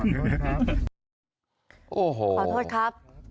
ขอโทษครับ